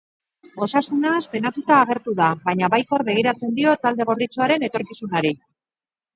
Osasunaz penatuta agertu da, baina baikor begiratzen dio talde gorritxoaren etorkizunari.